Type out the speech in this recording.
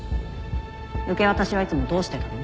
受け渡しはいつもどうしてたの？